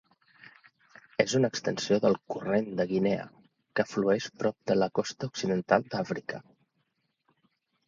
És una extensió del Corrent de Guinea, que flueix prop de la costa occidental d'Àfrica.